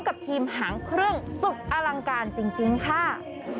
กับทีมหางเครื่องสุดอลังการจริงค่ะ